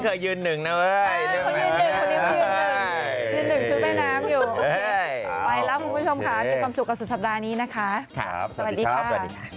อ๋อคุณแม่แบบรอขายชุดว่ายน้ำไหม